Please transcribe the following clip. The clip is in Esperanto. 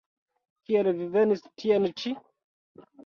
Kiel vi venis tien-ĉi?